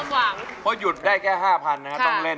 เพราะหยุดได้แค่๕๐๐๐ต้องเล่น